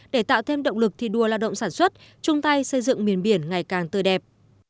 để tạo thêm động lực thi đua lao động sản xuất chung tay xây dựng miền biển ngày càng tươi đẹp